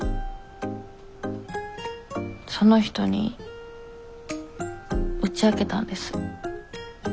その人に打ち明けたんです。